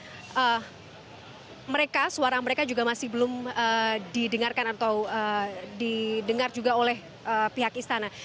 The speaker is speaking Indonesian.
karena mereka suara mereka juga masih belum didengarkan atau didengar juga oleh pihak istana